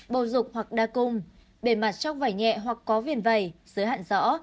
bầu rục hoặc đa cung bề mặt tróc vải nhẹ hoặc có viền vầy dưới hạn rõ